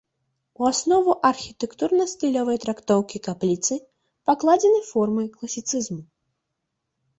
У аснову архітэктурна-стылёвай трактоўкі капліцы пакладзены формы класіцызму.